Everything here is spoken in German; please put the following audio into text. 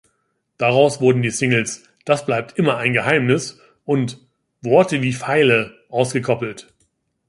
Daraus wurden die Singles "Das bleibt immer ein Geheimnis" und "Worte wie Pfeile" ausgekoppelt.